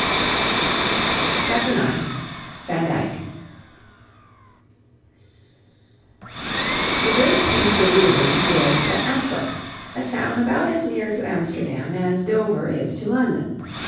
CHAPTER XI VAN DYCK The great painter Rubens lived at Antwerp, a town about as near to Amsterdam as Dover is to London.